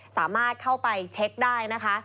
สามารถเข้าไปเช็คได้นะคะ